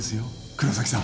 黒崎さん